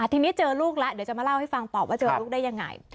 ทีนี้เจอลูกแล้วเดี๋ยวจะมาเล่าให้ฟังต่อว่าเจอลูกได้ยังไง